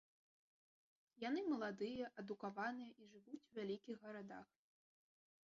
Яны маладыя, адукаваныя і жывуць у вялікіх гарадах.